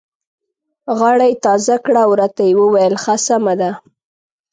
غاړه یې تازه کړه او راته یې وویل: ښه سمه ده.